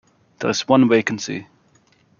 There is one vacancy.